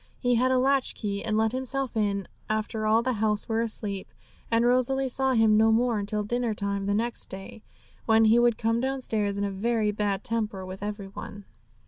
He had a latch key, and let himself in after all in the house were asleep; and Rosalie saw him no more until dinner time the next day, when he would come downstairs in a very bad temper with every one.